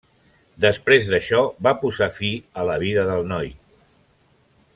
Després d'això, va posar fi a la vida del noi.